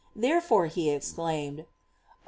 Therefore, he exclaimed: "Oh!